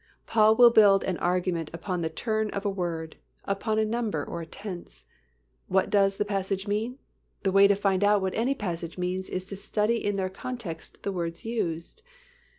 Paul will build an argument upon the turn of a word, upon a number or a tense. What does the passage mean? The way to find out what any passage means is to study in their context the words used.